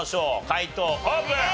解答オープン！